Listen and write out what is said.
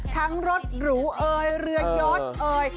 ทั้งรถหรูเอยเหลือยอดเอย